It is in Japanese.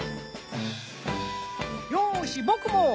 よし僕も！